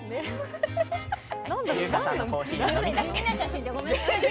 地味な写真でごめんなさい。